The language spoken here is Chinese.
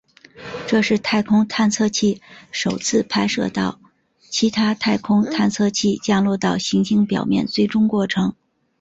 这是太空探测器首次拍摄到其他太空探测器降落到行星表面最终过程。